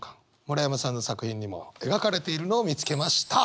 村山さんの作品にも描かれているのを見つけました。